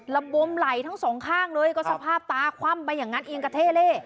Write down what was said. บวมไหลทั้งสองข้างเลยก็สภาพตาคว่ำไปอย่างนั้นเอียงกระเท่เล่